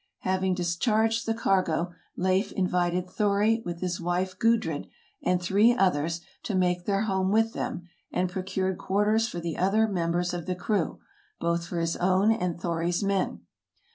Having dis charged the cargo, Leif invited Thori, with his wife, Gudrid, and three others, to make their home with him, and procured quarters for the other members of the crew, both for his own and Thori 's men.